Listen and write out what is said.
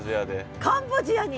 カンボジアに。